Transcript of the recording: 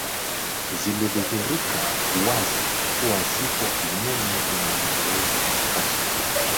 zilidhihirika wazi kuwa zipo kinyume na mageuzi ya Castro